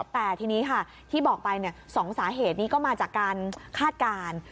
แต่ทีนี้ค่ะที่บอกไป๒สาเหตุนี้ก็มาจากการคาดการณ์